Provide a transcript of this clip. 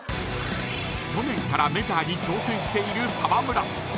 去年からメジャーに挑戦している澤村。